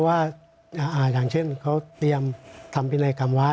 ว่าอย่างเช่นเขาเตรียมทำพินัยกรรมไว้